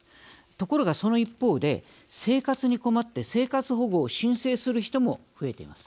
ところがその一方で生活に困って生活保護を申請する人も増えています。